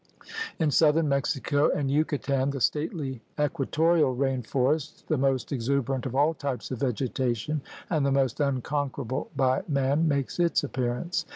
In southern Mexico and Yucatan the stately equa torial rain forest, the most exuberant of all types of vegetation and the most uncofiquerable by man, makes its appearance.